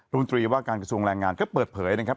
มนตรีว่าการกระทรวงแรงงานก็เปิดเผยนะครับ